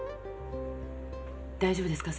大丈夫ですか？